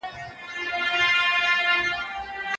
آیا مساحت تر محیط لوی دی؟